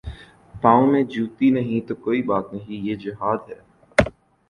پاؤں میں جوتی نہیں تو کوئی بات نہیں یہ جہاد ہے۔